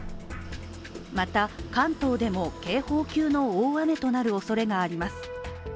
また、関東でも警報級の大雨となるおそれがあります。